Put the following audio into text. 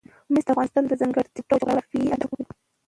مس د افغانستان د ځانګړي ډول جغرافیه استازیتوب کوي.